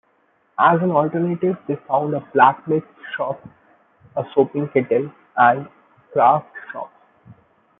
As an alternative, they founded a blacksmith's shop, "a soaping kettle", and craft shops.